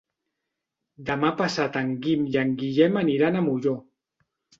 Demà passat en Guim i en Guillem aniran a Molló.